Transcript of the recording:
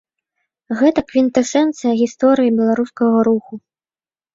Гэта квінтэсэнцыя гісторыі беларускага руху.